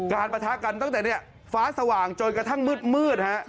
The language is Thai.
ประทะกันตั้งแต่ฟ้าสว่างจนกระทั่งมืดฮะ